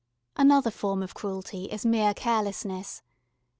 Another form of cruelty is mere carelessness.